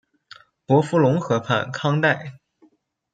伯夫龙河畔康代。